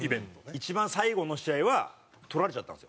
一番最後の試合はとられちゃったんですよ。